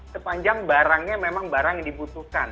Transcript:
sepanjang barangnya memang barang yang dibutuhkan